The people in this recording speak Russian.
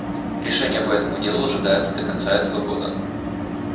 Решение по этому делу ожидается до конца этого года.